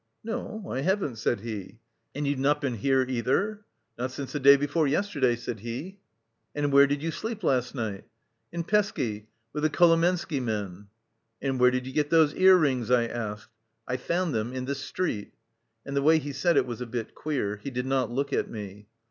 "No, I haven't," said he. "And you've not been here either?" "Not since the day before yesterday," said he. "And where did you sleep last night?" "In Peski, with the Kolomensky men." "And where did you get those ear rings?" I asked. "I found them in the street," and the way he said it was a bit queer; he did not look at me.